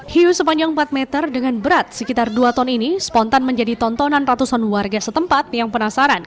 hiu sepanjang empat meter dengan berat sekitar dua ton ini spontan menjadi tontonan ratusan warga setempat yang penasaran